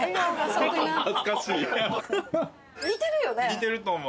似てると思う。